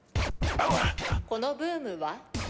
このブームは？